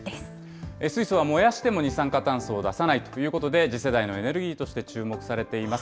水素は燃やしても二酸化炭素を出さないということで、次世代のエネルギーとして注目されています。